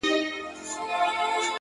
يمه دي غلام سترگي راواړوه;